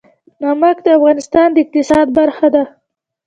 نمک د افغانستان د اقتصاد برخه ده.